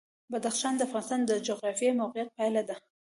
بدخشان د افغانستان د جغرافیایي موقیعت پایله ده.